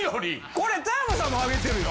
これ田山さんもあげてるよ。